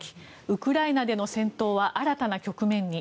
ウクライナでの戦闘は新たな局面に。